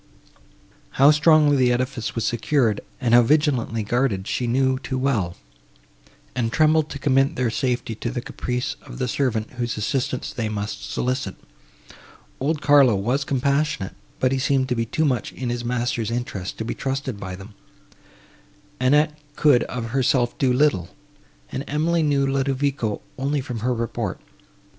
How strongly the edifice was secured, and how vigilantly guarded, she knew too well; and trembled to commit their safety to the caprice of the servant, whose assistance they must solicit. Old Carlo was compassionate, but he seemed to be too much in his master's interest to be trusted by them; Annette could of herself do little, and Emily knew Ludovico only from her report.